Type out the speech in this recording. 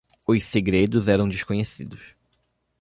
Os segredos eram desconhecidos.